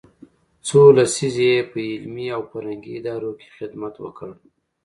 څو لسیزې یې په علمي او فرهنګي ادارو کې خدمت وکړ.